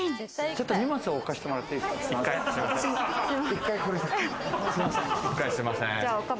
ちょっと荷物置かせてもらっていいですか？